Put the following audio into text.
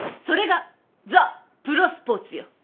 それがザプロスポーツよ。